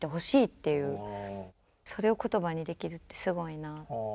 それを言葉にできるってすごいなあって。